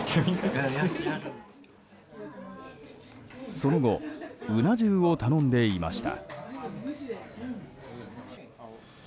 その後うな重を頼んでいました。